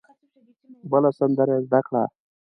بله سندره یې زده کړه.